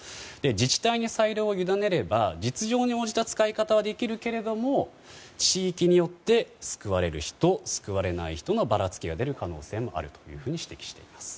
自治体に裁量を委ねれば実情に応じた使い方はできるけれども地域によって救われる人、救われない人のばらつきが出る可能性もあると指摘しています。